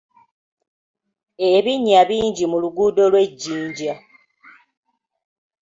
Ebinnya bingi mu luguudo lw'e Jinja.